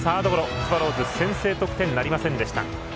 スワローズは先制得点なりませんでした。